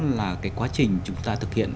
là cái quá trình chúng ta thực hiện